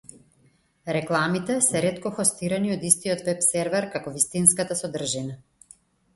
Рекламите се ретко хостирани од истиот веб-сервер како вистинската содржина.